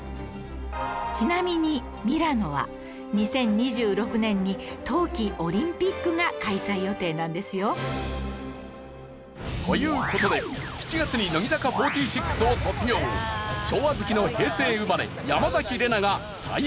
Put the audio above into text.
ちなみにミラノは２０２６年に冬季オリンピックが開催予定なんですよという事で７月に乃木坂４６を卒業昭和好きの平成生まれ山崎怜奈が最下位へ。